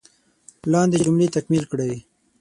لاندې جملې تکمیل کړئ.